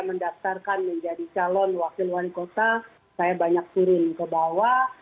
mendaftarkan menjadi calon wakil wali kota saya banyak turun ke bawah